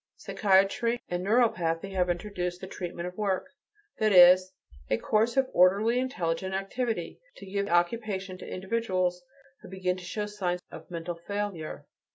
Psychiatry and neuropathology have introduced the treatment of work: that is, a course of orderly intelligent activity, to give occupation to individuals who begin to show signs of mental failure.